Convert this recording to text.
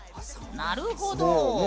なるほど！